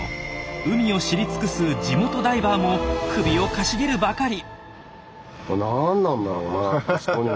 海を知り尽くす地元ダイバーも首をかしげるばかり。